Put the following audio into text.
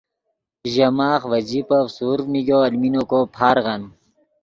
ژے ماخ ڤے جیبف سورڤ نیگو المین کو پارغن